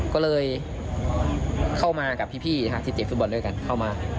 ก็เลยเข้ามากับพี่ที่เตะฟุตบอลด้วยกันเข้ามา